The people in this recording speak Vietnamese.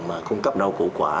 mà cung cấp đồ củ quả